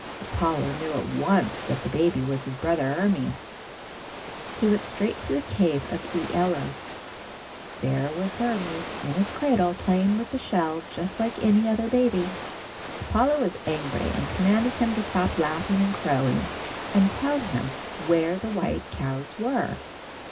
Apollo knew at once that the baby was his brother, Hermes. He went straight to the cave of Æolus. There was Hermes in his cradle playing with the shell just like any other baby. Apollo was angry and commanded him to stop laughing and crowing and tell him where the white cows were.